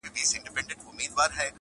وینم د زمان په سرابو کي نړۍ بنده ده -